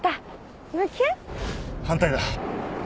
反対だ。